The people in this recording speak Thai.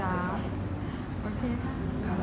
ผมว่าผมได้ตอบคำถามทุกคำถามที่พี่ทำนะครับ